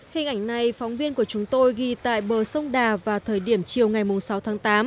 hình ảnh này phóng viên của chúng tôi ghi tại bờ sông đà vào thời điểm chiều ngày sáu tháng tám